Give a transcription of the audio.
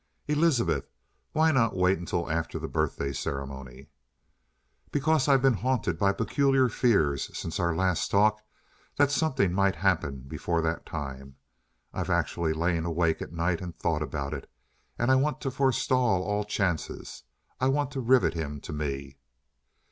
"Elizabeth, why not wait until after the birthday ceremony?" "Because I've been haunted by peculiar fears, since our last talk, that something might happen before that time. I've actually lain awake at night and thought about it! And I want to forestall all chances. I want to rivet him to me!"